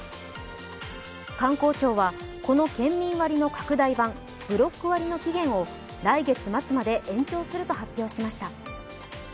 観光庁は、この県民割の拡大版ブロック割の期限を来月末まで延長すると発表しました。